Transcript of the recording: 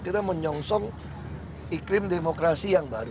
kita menyongsong iklim demokrasi yang baru